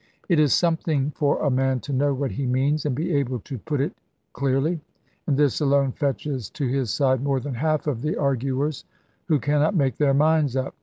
It is something for a man to know what he means, and be able to put it clearly; and this alone fetches to his side more than half of the arguers who cannot make their minds up.